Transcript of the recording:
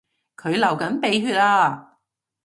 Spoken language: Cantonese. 佢流緊鼻血呀